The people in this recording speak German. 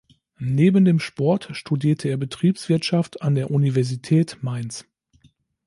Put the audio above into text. Neben dem Sport studiert er Betriebswirtschaft an der Universität Mainz.